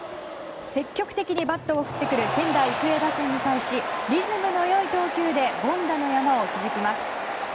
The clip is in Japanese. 積極的にバットを振ってくる仙台育英打線に対しリズムの良い投球で凡打の山を築きます。